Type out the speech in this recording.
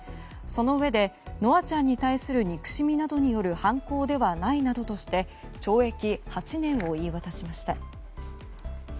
そのうえで稀華ちゃんに対する憎しみなどによる犯行ではないなどとして懲役８年を言い渡しました。